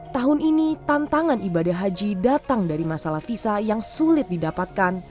tahun ini tantangan ibadah haji datang dari masalah visa yang sulit didapatkan